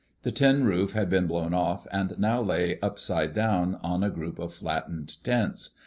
The tin roof had been blown off, and now lay upside down on a group of flattened tents.